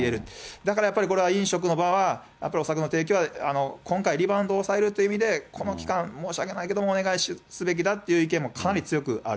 だからやっぱりこれは飲食の場は、やっぱりお酒の提供は、今回、リバウンドを抑えるっていう意味で、この期間、申し訳ないけれども、お願いすべきだっていう意見もかなり強くある。